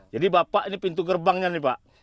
bapak ini pintu gerbangnya nih pak